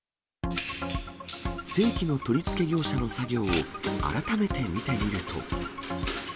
正規の取り付け業者の作業を改めて見てみると。